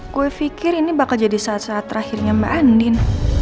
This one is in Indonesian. gue pikir ini bakal jadi saat saat terakhirnya mbak andin